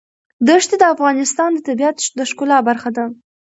دښتې د افغانستان د طبیعت د ښکلا برخه ده.